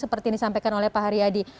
seperti yang disampaikan oleh pak haryadi